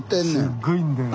すっごいんだよ。